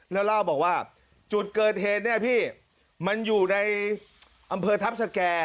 แล้วเล่าบอกว่าจุดเกิดเหตุเนี่ยพี่มันอยู่ในอำเภอทัพสแก่